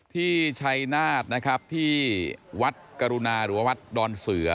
ที่ชัยนาธนะครับที่วัดกรุณาหรือว่าวัดดอนเสือ